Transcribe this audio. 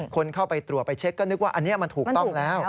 คนเข้าไปตรวจไปเช็คก็นึกว่าอันนี้มันถูกต้องแล้ว